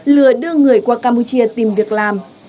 lừa đưa người qua campuchia tìm việc làm